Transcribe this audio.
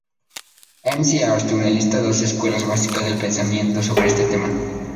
McArthur lista doce escuelas básicas de pensamiento sobre este tema.